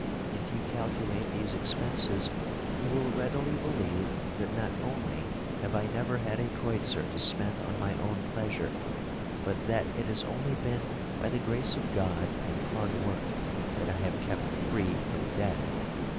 If you calculate these expenses you will readily believe that not only have I never had a kreutzer to spend on my own pleasure, but that it has only been by the grace of God and hard work that I have kept free from debt.